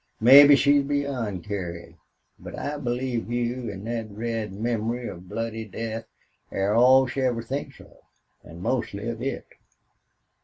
Mebbe she's beyond carin'. But I believe you an' thet red memory of bloody death air all she ever thinks of. An' mostly of it."